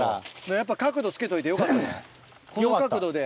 やっぱ角度つけといてよかったんじゃない？